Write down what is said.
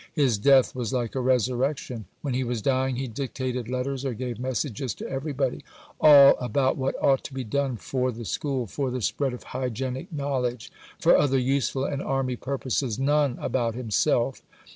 His death was like a resurrection. When he was dying, he dictated letters or gave messages to everybody: all about what ought to be done for the School, for the spread of hygienic knowledge, for other useful and Army purposes: none about himself....